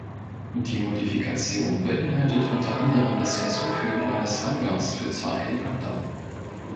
Die Modifikation beinhaltet unter anderem das Hinzufügen eines Hangars für zwei Helikopter.